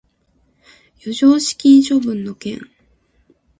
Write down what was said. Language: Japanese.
剰余金処分の件